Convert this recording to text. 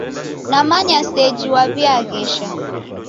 Namanya seji w'aw'iaghesha.